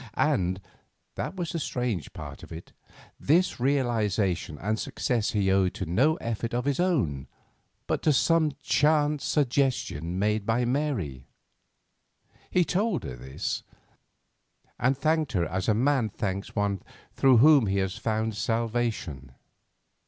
And—that was the strange part of it—this realisation and success he owed to no effort of his own, but to some chance suggestion made by Mary. He told her this, and thanked her as a man thanks one through whom he has found salvation.